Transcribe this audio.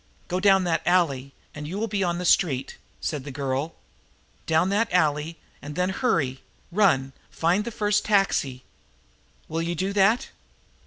"Go down that alley, and you will be on the street," said the girl. "Down that alley, and then hurry run find the first taxi. Will you do that?"